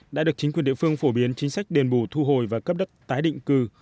đã được chính quyền địa phương phổ biến chính sách đền bù thu hồi và cấp đất tái định cư